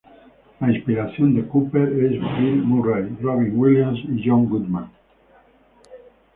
La Inspiración de Cooper es Bill Murray, Robin Williams y John Goodman.